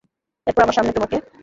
এরপর আমার সামনে তোমাকে।